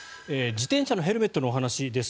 自転車のヘルメットのお話です。